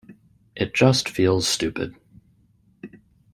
It just feels stupid.